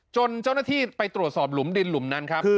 จนเจ้าหน้าที่ไปตรวจสอบหลุมดินหลุมนั้นครับ